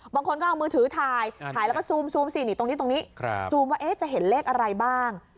บางคนก็เอามือถือถ่ายถ่ายแล้วก็ซูมสินี่ตรงนี้ตรงนี้ซูมว่าจะเห็นเลขอะไรบ้าง